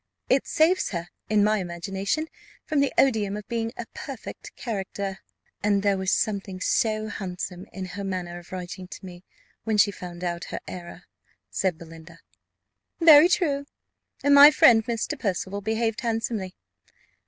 It saves her, in my imagination, from the odium of being a perfect character." "And there was something so handsome in her manner of writing to me, when she found out her error," said Belinda. "Very true, and my friend Mr. Percival behaved handsomely.